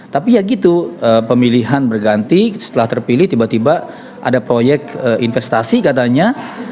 tapi ya gitu pemilihan berganti setelah terpilih tiba tiba ada proyek investasi katanya